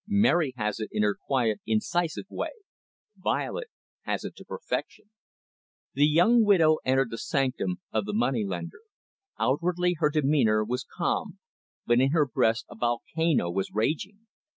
"Mary has it in her quiet, incisive way. Violet has it to perfection." The young widow entered the sanctum of the moneylender. Outwardly, her demeanour was calm, but in her breast a volcano was raging.